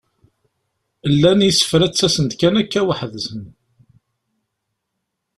Llan yisefra ttasen-d kan akka weḥd-sen.